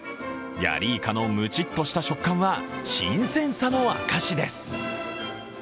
ヤリイカのむちっとした食感は新鮮さの証しです。